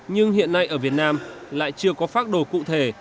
nhưng hiện nay ở việt nam lại chưa có phác đồ cụ thể